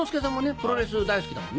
プロレス大好きだもんね。